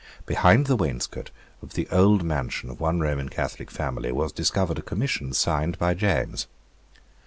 Behind the wainscot of the old mansion of one Roman Catholic family was discovered a commission signed by James.